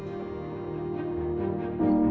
mau mau ke rumah